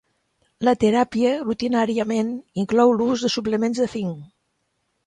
La teràpia rutinàriament inclou l'ús de suplements de zinc.